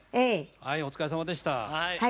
お疲れさまでした。